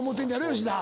吉田。